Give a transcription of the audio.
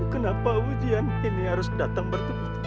kenapa hujan ini harus datang bertubuh tubuh